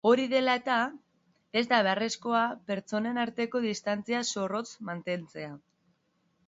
Hori dela eta, ez da beharrezkoa pertsonen arteko distantzia zorrotz mantentzea.